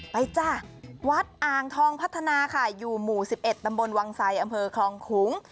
จ้ะวัดอ่างทองพัฒนาค่ะอยู่หมู่๑๑ตำบลวังไซอำเภอคลองขุง